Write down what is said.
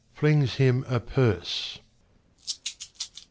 [Flings him a purse, .